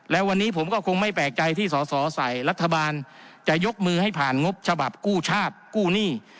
และวันนี้ผมก็คงไม่แปลกใจที่สอสอใส่รัฐบาลจะยกมือให้ผ่านงบฉบับกู้ชาติกู้หนี้